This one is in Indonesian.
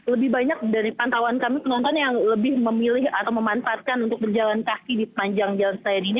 namun lebih banyak dari pantauan kami penonton yang lebih memilih atau memanfaatkan untuk berjalan kaki di panjang jalan selayadini